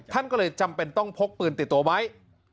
ท่านก็เลยจำเป็นต้องพกปืนติดตัวไว้